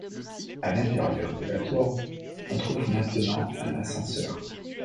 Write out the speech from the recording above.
À l'intérieur de la tour, on trouve maintenant un ascenseur.